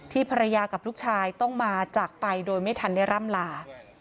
ภรรยากับลูกชายต้องมาจากไปโดยไม่ทันได้ร่ำลา